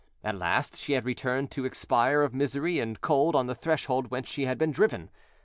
At last, she had returned to expire of misery and cold on the threshold whence she had been driven.